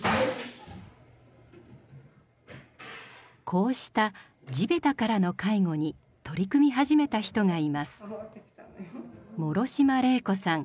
こうした地べたからの介護に取り組み始めた人がいます。